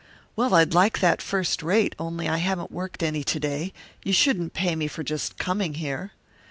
"Well, I'd like that first rate, only I haven't worked any to day; you shouldn't pay me for just coming here."